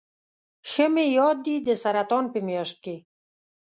ښه مې یاد دي د سرطان په میاشت کې.